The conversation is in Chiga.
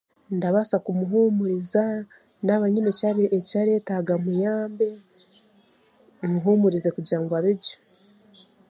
Ndabaasa kumuhumuriza yaba ayine ekyaretenga muyambe, muhumurize kugira ngu abe gye.